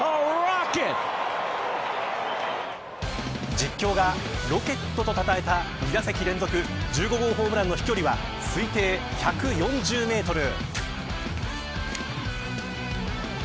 実況が、ロケットとたたえた２打席連続１５号ホームランの飛距離は推定１４０メートル。